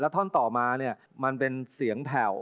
แล้วท่อนต่อมาเนี่ยมันเป็นเสียงแผ่ว